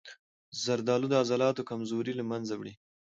زردآلو د عضلاتو کمزوري له منځه وړي.